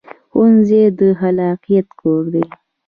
ښوونځی د خلاقیت کور دی